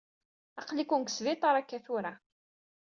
Aql-iken deg sbiṭaṛ akka tura.